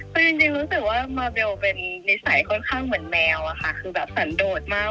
ก็จริงรู้สึกว่ามาเบลเป็นนิสัยค่อนข้างเหมือนแมวอะค่ะคือแบบสันโดดมาก